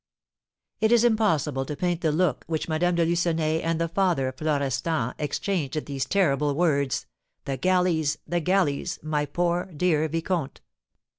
It is impossible to paint the look which Madame de Lucenay and the father of Florestan exchanged at these terrible words, "The galleys, the galleys, my poor dear vicomte!"